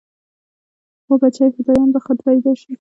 هو بچى فدايان به خود پيدا شي.